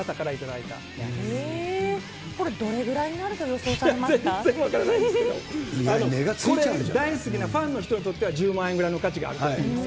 これ、どれぐらいになると予全然分からないですけど、これ、大好きなファンの人にとっては、１０万円ぐらいの価値があると思うんですよ。